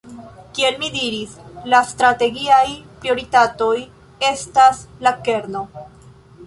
Kiel mi diris, la strategiaj prioritatoj estas la kerno.